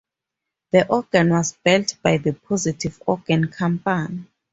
The organ was built by the Positive Organ Company.